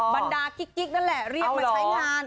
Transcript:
บรรดากิ๊กนั่นแหละเรียกมาใช้งาน